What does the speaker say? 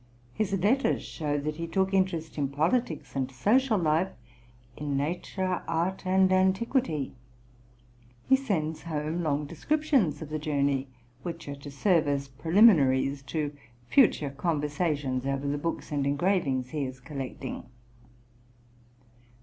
His letters show that he took interest in politics and social life, in nature, art, and antiquity; he sends home long descriptions of the journey, which are to serve as preliminaries to future conversations over the books and engravings he is collecting.